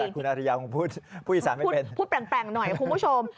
คุณอาริยาคงพูดอีสานไม่เป็นพูดแปลงหน่อยคุณผู้ชม